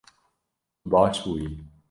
Tu baş bûyî